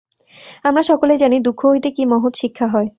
আমরা সকলেই জানি, দুঃখ হইতে কি মহৎ শিক্ষা হয়।